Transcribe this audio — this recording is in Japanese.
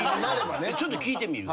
ちょっと聞いてみる。